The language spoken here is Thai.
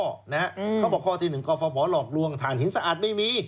เขาบอกข้อที่๑กรฟภหลอกลวงฐานหินสะอาดไม่มี